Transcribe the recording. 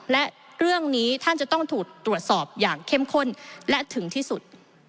และเรื่องนี้ท่านจะต้องถูกตรวจสอบอย่างเข้มข้นและถึงที่สุด